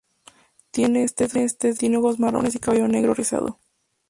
Tiana es de tez oscura, tiene ojos marrones y cabello negro y rizado.